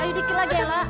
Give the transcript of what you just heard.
ayo terus elah